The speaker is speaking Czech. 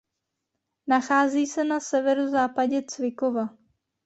Nachází se na severozápadě Cvikova.